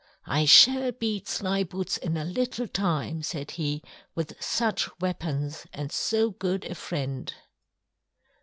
"I shall beat Slyboots in a little time," said he, "with such weapons and so good a friend."